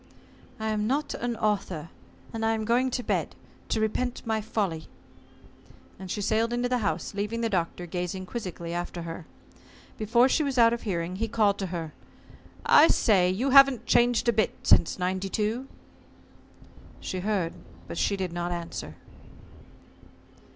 "I'm not an author, and I am going to bed, to repent of my folly," and she sailed into the house, leaving the Doctor gazing quizzically after her. Before she was out of hearing, he called to her: "I say, you haven't changed a bit since '92." She heard but she did not answer.